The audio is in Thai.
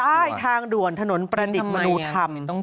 ใต้ทางด่วนถนนประดิษฐ์มนุธรรม